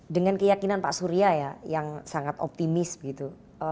dengan keyakinan pak surya ya yang sangat optimis begitu